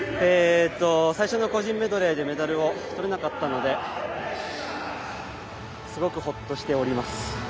最初の個人メドレーでメダルを取れなかったのですごくほっとしております。